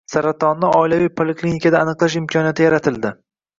Saratonni oilaviy poliklinikada aniqlash imkoniyati yaratilding